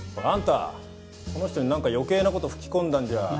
あんたこの人になんか余計な事吹き込んだんじゃ。